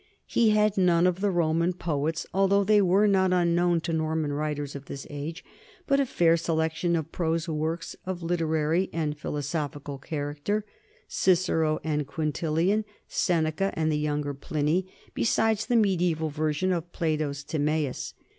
He had none of the Roman poets, although they were not unknown to Norman writers of his age, but a fair selection of prose works of a literary and philosophi cal character Cicero and Quintilian, Seneca and the Younger Pliny, besides the mediaeval version of Plato's Timaus.